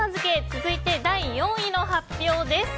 続いて第４位の発表です。